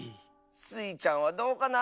スイちゃんはどうかな？